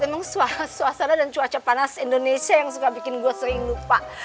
emang suasana dan cuaca panas indonesia yang suka bikin gue sering lupa